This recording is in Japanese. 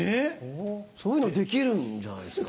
そういうのできるんじゃないですか。